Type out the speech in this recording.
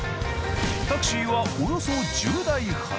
タクシーはおよそ１０台ほど。